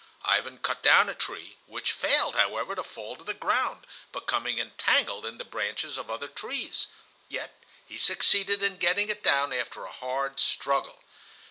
Ivan cut down a tree, which failed, however, to fall to the ground, becoming entangled in the branches of other trees; yet he succeeded in getting it down after a hard struggle.